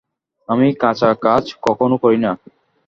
আমি কাঁচা কাজ কখনো করি না।